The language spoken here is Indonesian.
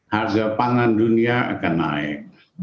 harga pangan dunia akan naik